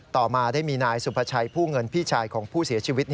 ต่อมาได้มีนายสุภาชัยผู้เงินพี่ชายของผู้เสียชีวิต